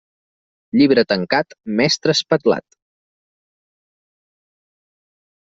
Llibre tancat, mestre espatlat.